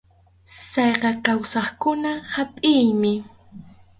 Sallqa kawsaqkuna hapʼiymi.